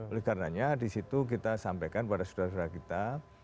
oleh karenanya disitu kita sampaikan kepada saudara saudara kita